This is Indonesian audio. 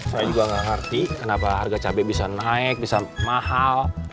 saya juga gak ngerti kenapa harga cabai bisa naik bisa mahal